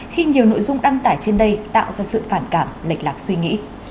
khi nhiều nội dung đăng tải trên đây tạo ra sự phản cảm lệch lạc suy nghĩ